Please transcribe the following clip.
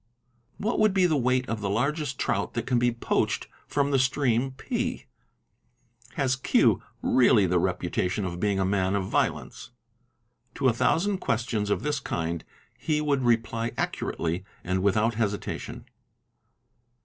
'What would be the weight of the largest trout that can be 'poached from the stream P?" "Has Q really the reputation of being "a man of violence?' To a thousand questions of this kind, he would reply accurately and without hesitation.